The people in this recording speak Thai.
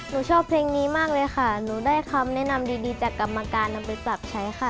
หนูชอบเพลงนี้มากเลยค่ะหนูได้คำแนะนำดีจากกรรมการนำไปปรับใช้ค่ะ